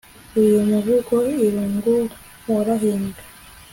uyu muvugo irungu warahimbwe